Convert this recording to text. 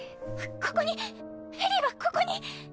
ここにエリーはここに。